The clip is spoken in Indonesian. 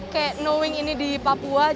kayak knowing ini di papua jauh banget